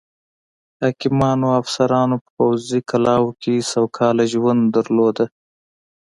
حاکمانو او افسرانو په پوځي کلاوو کې سوکاله ژوند درلوده.